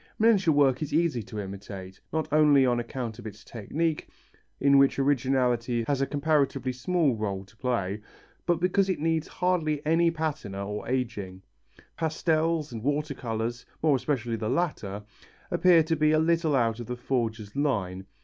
Miniature work is easy to imitate, not only on account of its technique, in which originality has a comparatively small rôle to play, but because it needs hardly any patina or ageing. Pastels and water colours, more especially the latter, appear to be a little out of the forger's line.